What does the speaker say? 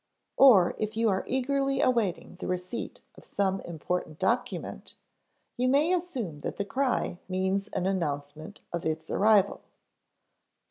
Or if you are eagerly awaiting the receipt of some important document, you may assume that the cry means an announcement of its arrival.